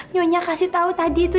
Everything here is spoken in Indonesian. nyonya kasih tahu tadi itu